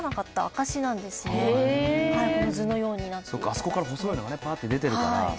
あそこから細いのがねパーッて出てるから。